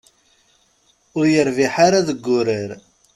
Ur yerbiḥ ara deg wurar.